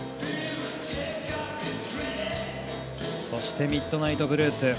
そしてミッドナイトブルース。